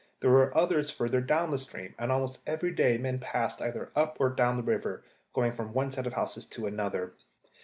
There were others further down the stream, and almost every day men passed either up or down the river, going from one set of houses to another.